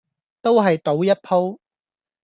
都係賭一鋪